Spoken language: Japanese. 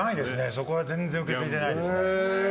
そこは全然受け継いでないですね。